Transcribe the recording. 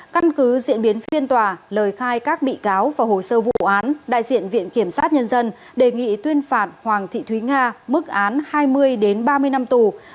căn cứ diễn biến phiên tòa lời khai các bị cáo và hồ sơ vụ án đại diện viện kiểm sát nhân dân đề nghị tuyên phạt hoàng thị thúy nga mức án hai mươi ba mươi năm tù